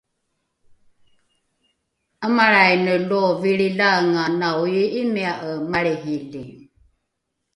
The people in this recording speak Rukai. ’amalraine lo vilrilaenga naoii’imia’e malrihili